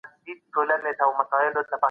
بریالی